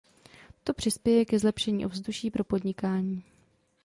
To přispěje ke zlepšení ovzduší pro podnikání.